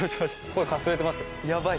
声かすれてますよ